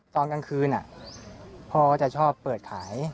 ตอนกลางคืนพ่อจะชอบเปิดขาย